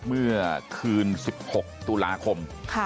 เมื่อคืน๑๖ตุลาคม